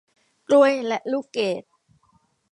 กล้วยและลูกเกด